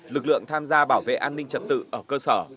lực lượng tham gia bảo vệ an ninh trật tự ở cơ sở